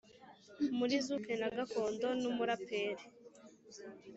muri zuke na gakondo n’umuraperi